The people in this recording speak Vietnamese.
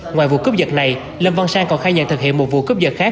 ngoài vụ cướp giật này lâm văn sang còn khai nhận thực hiện một vụ cướp dật khác